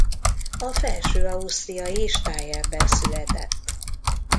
A felső-ausztriai Steyrben született.